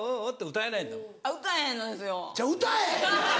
歌え！